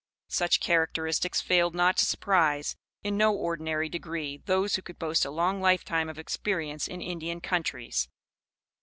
Such characteristics failed not to surprise, in no ordinary degree, those who could boast a long lifetime of experience in Indian countries.